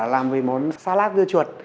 làm về món salad dưa chuột